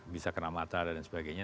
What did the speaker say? bisa kena matahari dan sebagainya